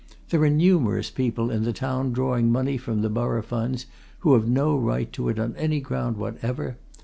There are numerous people in the town drawing money from the borough funds who have no right to it on any ground whatever.